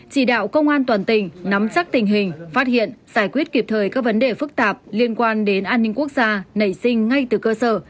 chỉ đạo công an toàn tỉnh nắm chắc tình hình phát hiện giải quyết kịp thời các vấn đề phức tạp liên quan đến an ninh quốc gia nảy sinh ngay từ cơ sở